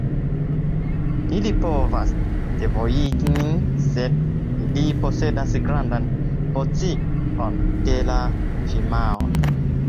Ili povas devojigi nin se ili posedas grandan porcion de la firmao.